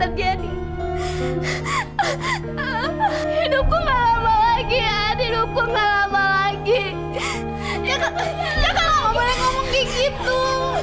tapi kenapa tika menyuruh kamu untuk menuntut